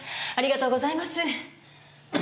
ありがとうございます。